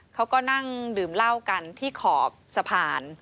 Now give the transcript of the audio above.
เขาก็นั่งดื่มเหล้ากันที่ขอบสะพาน